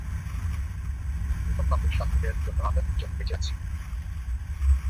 তোমার পাপের শাস্তি দেয়ার জন্য আমরা তিনজনই বেঁচে আছি।